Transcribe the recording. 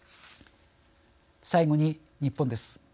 最後に日本です。